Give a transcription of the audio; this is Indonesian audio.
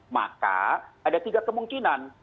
maka ada tiga kemungkinan